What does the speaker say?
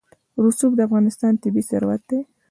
رسوب د افغانستان طبعي ثروت دی.